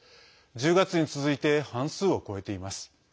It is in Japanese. １０月に続いて半数を超えています。